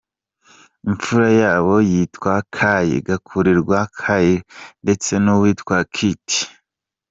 Imfura yabo yitwa Kai, igakurikirwa na Klay ndetse n’uwitwa Kit.